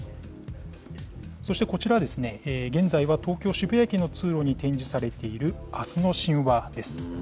そしてこちらですね、現在は東京・渋谷駅の通路に展示されている、明日の神話です。